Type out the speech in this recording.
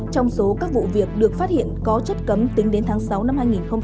trong số các vụ việc được phát hiện có chất cấm tính đến tháng sáu năm hai nghìn hai mươi ba